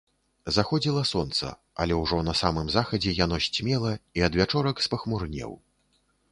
Заходзіла сонца, але ўжо на самым захадзе яно сцьмела, і адвячорак спахмурнеў.